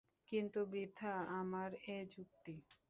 কিন্তু বৃথা আমার এ যুক্তি।